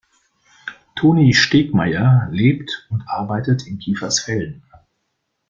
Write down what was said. Toni Stegmayer lebt und arbeitet in Kiefersfelden.